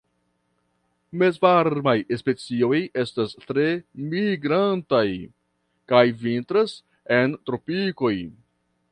Mezvarmaj specioj estas tre migrantaj, kaj vintras en tropikoj.